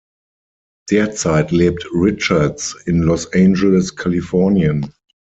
Derzeit lebt Richards in Los Angeles, Kalifornien.